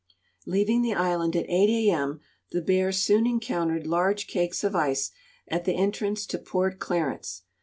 Leaving the island at 8 a. m., the Bear soon encountered large cakes of ice at the entrance to Port Clarence.